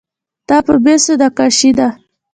دا په مسو نقاشي ده.